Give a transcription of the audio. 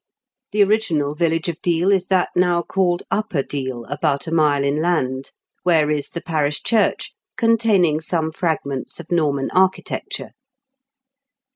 The original village of Deal is that now called Upper Deal, about a mile inland, where is the parish church, containing some fragments of Norman architecture.